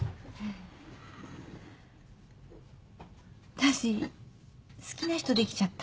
わたし好きな人できちゃった。